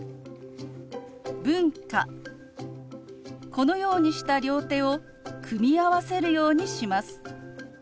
このようにした両手を組み合わせるようにします。